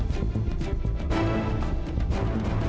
dan coba kita jalani